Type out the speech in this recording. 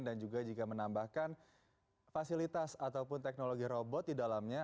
dan juga jika menambahkan fasilitas ataupun teknologi robot di dalamnya